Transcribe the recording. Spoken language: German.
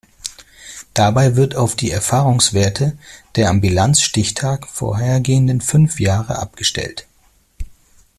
Dabei wird auf die Erfahrungswerte der dem Bilanzstichtag vorhergehenden fünf Jahre abgestellt.